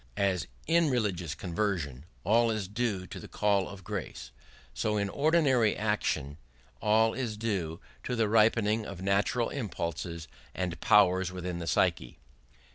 As in religious conversion all is due to the call of grace, so in ordinary action all is due to the ripening of natural impulses and powers within the psyche.